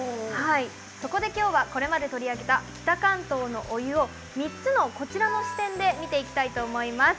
そこで今日はこれまで取り上げた北関東のお湯を３つのこちらの視点で見ていきたいと思います。